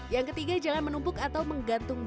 yang ketiga jangan menumpuk atau menggantung baju